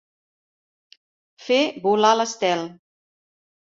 Fer volar l'estel.